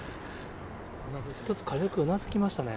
１つ軽くうなずきましたね。